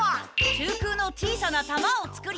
中空の小さな球を作り。